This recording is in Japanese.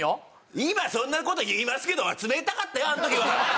今そんな事言いますけど冷たかったよあの時は。